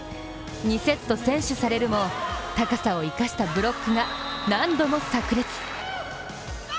２セット先取されるも、高さを生かしたブロックが何度もさく裂。